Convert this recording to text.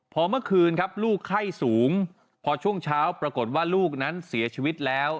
พอเมื่อคืนครับลูกไข้สูงพอช่วงเช้าปรากฏว่าลูกนั้นเสียชีวิตแล้ว